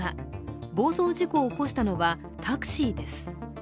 暴走事故を起こしたのはタクシーです。